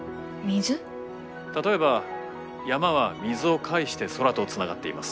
例えば山は水を介して空とつながっています。